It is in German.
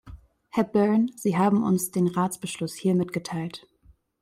Herr Byrne, Sie haben uns den Ratsbeschluss hier mitgeteilt.